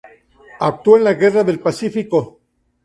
Actuó en la Guerra del Pacífico.